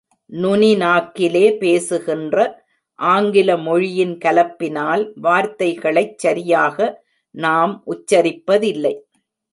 நுனி நாக்கிலே பேசுகின்ற ஆங்கிலமொழியின் கலப்பினால் வார்த்தைகளைச் சரியாக நாம் உச்சரிப்பதில்லை.